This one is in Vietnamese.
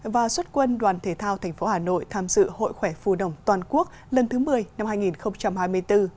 và xuất quân đoàn thể thao tp hà nội tham dự hội khỏe phu đồng toàn quốc lần thứ một mươi năm hai nghìn hai mươi bốn